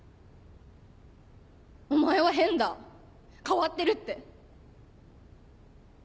「お前は変だ」「変わってる」って。